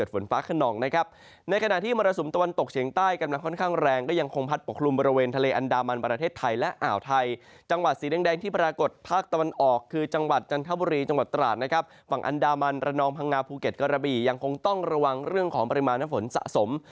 ฝั่งอันดามันระนองพังงาภูเก็ตกรบียังคงต้องระวังเรื่องของปริมาณฝนสะสม